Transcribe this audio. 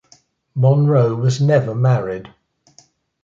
Monroe was never married.